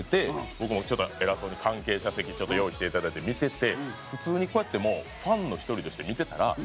僕もちょっと偉そうに関係者席用意していただいてて見てて普通にこうやってもうファンの一人として見てたら。